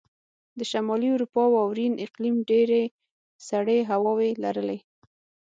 د شمالي اروپا واورین اقلیم ډېرې سړې هواوې لرلې.